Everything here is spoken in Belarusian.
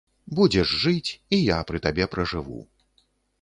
Будзеш жыць, і я пры табе пражыву.